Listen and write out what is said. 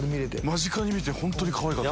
間近に見て本当かわいかった。